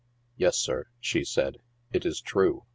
" Yes, sir," she said, " it is true.